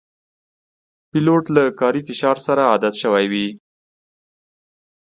پیلوټ د کاري فشار سره عادت شوی وي.